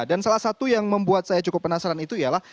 dan salah satu yang membuat saya cukup penasaran itu ialah